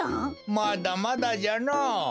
まだまだじゃのぉ。